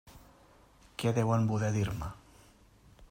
Què deuen voler dir-me?